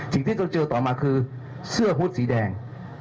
สิ่งที่เราเจอต่อมาคือเสื้อฮูตสีแดง